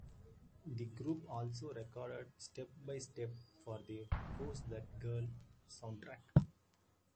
The group also recorded "Step by Step" for the "Who's That Girl" soundtrack.